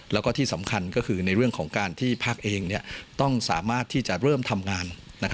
แล้วก็ที่สำคัญก็คือในเรื่องของการที่พักเองต้องสามารถที่จะเริ่มทำงาน